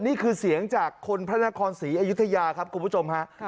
นี่คือเสียงจากคนพระนครศรีอยุธยาครับคุณผู้ชมฮะ